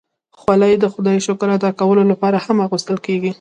خولۍ د خدای شکر ادا کولو لپاره هم اغوستل کېږي.